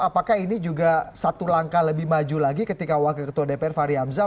apakah ini juga satu langkah lebih maju lagi ketika wakil ketua dpr fahri hamzah